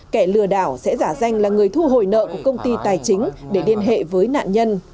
kẻ lừa đảo sẽ giả danh là người thu hồi nợ của công ty tài chính để liên hệ với nạn nhân